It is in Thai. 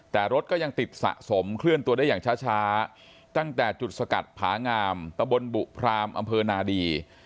แต่รถก็ยังติดสะสมเคลื่อนตัวได้อย่างช้าตั้งแต่จุดสกัดผางามตะบนบุพรามอำเภอนาดี